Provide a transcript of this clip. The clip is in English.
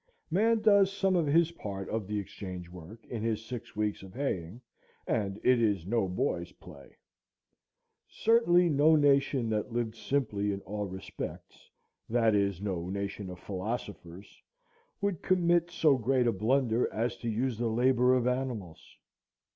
Man does some of his part of the exchange work in his six weeks of haying, and it is no boy's play. Certainly no nation that lived simply in all respects, that is, no nation of philosophers, would commit so great a blunder as to use the labor of animals.